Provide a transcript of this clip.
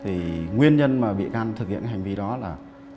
thì nguyên nhân mà bị gan thực hiện cái hành vi đó là